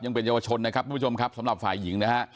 ยังเป็นเยาวชนนะครับทุกผู้ชมครับสำหรับฝ่ายหญิงนะฮะ